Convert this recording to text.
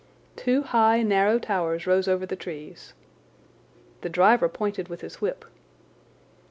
Two high, narrow towers rose over the trees. The driver pointed with his whip.